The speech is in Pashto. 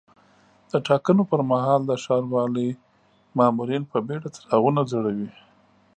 د ټاکنو پر مهال د ښاروالۍ مامورین په بیړه څراغونه ځړوي.